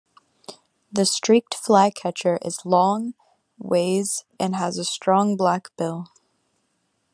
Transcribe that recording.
The streaked flycatcher is long, weighs and has a strong black bill.